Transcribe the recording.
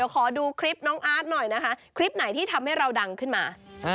ขอดูคลิปน้องอาร์ตหน่อยนะคะคลิปไหนที่ทำให้เราดังขึ้นมา